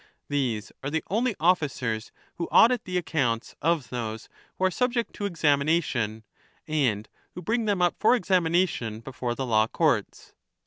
These are the only officers who audit the accounts of those who are subject to examination, 1 and who bring them up for exami nation before the law courts.